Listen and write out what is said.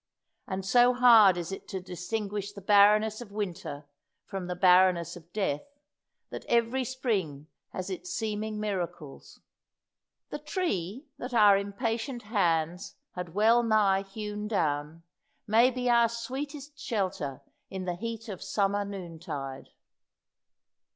And so hard is it to distinguish the barrenness of winter from the barrenness of death, that every spring has its seeming miracles. The tree that our impatient hands had well nigh hewn down may be our sweetest shelter in the heat of summer noontide.